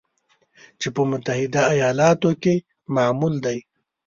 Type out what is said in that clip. چې په متحده ایالاتو کې معمول دی